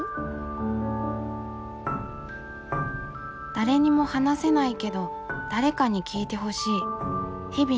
誰にも話せないけど誰かに聴いてほしい日々の「もやもや」。